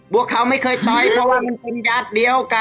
พวกเขาไม่เคยต่อยเพราะว่ามันเป็นญาติเดียวกัน